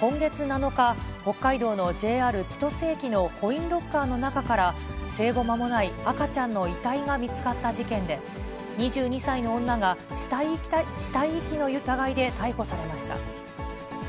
今月７日、北海道のＪＲ千歳駅のコインロッカーの中から、生後間もない赤ちゃんの遺体が見つかった事件で、２２歳の女が死体遺棄の疑いで逮捕されました。